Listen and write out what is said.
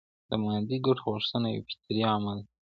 د مادي ګټو غوښتنه یو فطري عمل دی.